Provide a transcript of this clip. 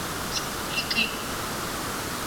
که څېړونکی بې طرفه نه وي نو کار یې بې ګټې دی.